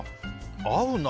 合うな！